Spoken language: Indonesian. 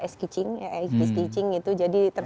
es kicing ya es kicing itu jadi